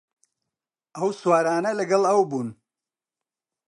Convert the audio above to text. ئەو سوارانە لەگەڵ ئەو بوون